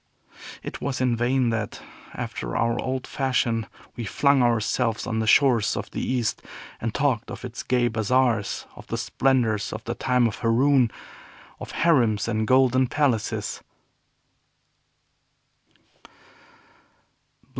It was in vain that, after our old fashion, we flung ourselves on the shores of the East, and talked of its gay bazaars, of the splendors of the time of Haroun, of harems and golden palaces.